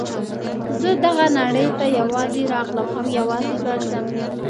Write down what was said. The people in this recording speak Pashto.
زه دغه نړۍ ته یوازې راغلم او یوازې به ځم.